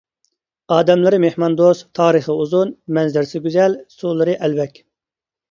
ئادەملىرى مېھماندوست، تارىخى ئۇزۇن، مەنزىرىسى گۈزەل، سۇلىرى ئەلۋەك.